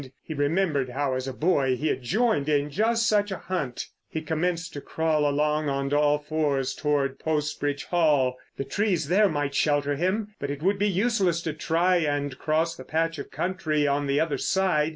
He remembered how as a boy he had joined in just such a hunt. He commenced to crawl along on all fours towards Post Bridge Hall. The trees there might shelter him, but it would be useless to try and cross the patch of country on the other side.